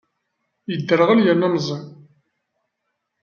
Yedderɣel yerna meẓẓi.